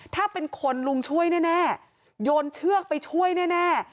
ถ้าเป็นคนลุงช่วยแน่โยนเชือกไปช่วยแน่